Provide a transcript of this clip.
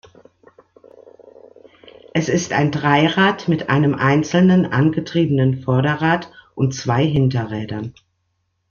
Es ist ein Dreirad mit einem einzelnen angetriebenen Vorderrad und zwei Hinterrädern.